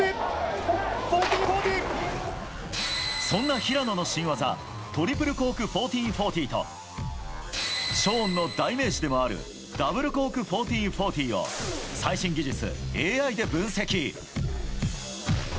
そんな平野の新技トリプルコーク１４４０とショーンの代名詞でもあるダブルコーク１４４０を最新技術ＡＩで分析。